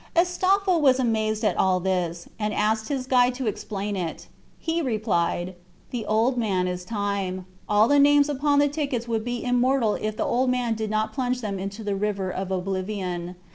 Astolpho was amazed at all this, and asked his guide to explain it. He replied, "The old man is Time. All the names upon the tickets would be immortal if the old man did not plunge them into the river of oblivion.